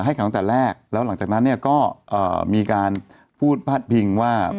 ให้เขาตั้งแต่แรกแล้วหลังจากนั้นเนี่ยก็มีการพูดพาดพิงว่า